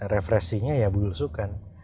refresinya ya berusukan